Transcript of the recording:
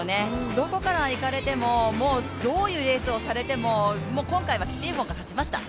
どこから行かれてもどういうレースをされても今回はキピエゴンが勝ちました。